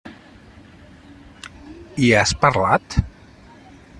Hi has parlat?